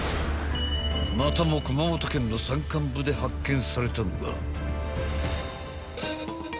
［またも熊本県の山間部で発見されたのが］